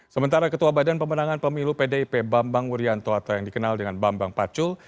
sementara ketua badan pemenangan pemilu pdip bambang wuryanto atau yang dikenal dengan bambang pacul